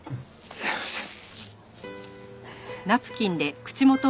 すいません。